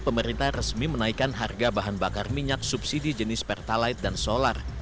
pemerintah resmi menaikkan harga bahan bakar minyak subsidi jenis pertalite dan solar